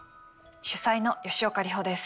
主宰の吉岡里帆です。